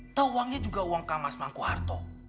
atau uangnya juga uang kang mas mangguwarto